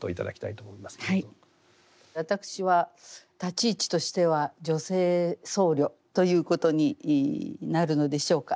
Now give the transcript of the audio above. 私は立ち位置としては女性僧侶ということになるのでしょうか。